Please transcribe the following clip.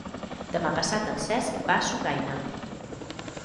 Demà passat en Cesc va a Sucaina.